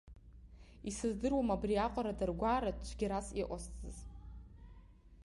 Исыздыруам абриаҟара даргәаартә цәгьарас иҟасҵаз!